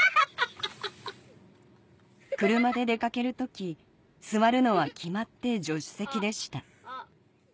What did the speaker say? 車で出かける時座るのは決まって助手席でした